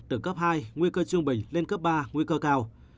từ cấp hai nguy cơ trung bình lên cấp ba nguy cơ cao